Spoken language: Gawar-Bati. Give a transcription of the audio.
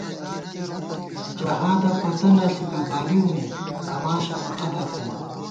جہادہ پتہ نہ ݪِکہ بالِوَہ مے ، اماں شمہ قدر تھِمان